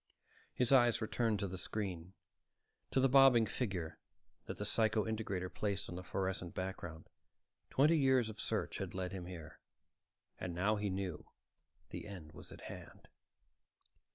His eyes returned to the screen, to the bobbing figure that the psycho integrator traced on the fluorescent background. Twenty years of search had led him here, and now he knew the end was at hand.